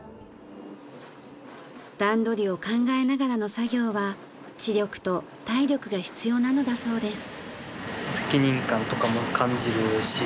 段取りを考えながらの作業は知力と体力が必要なのだそうです。